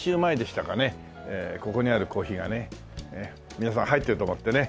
皆さん入ってると思ってね